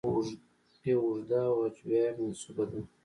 یو اوږده هجویه منسوبه ده.